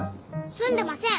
住んでません。